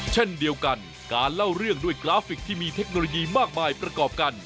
เช่นเดียวกันการเล่าเรื่องด้วยกราฟิกที่มีเทคโนโลยีมากมายประกอบกัน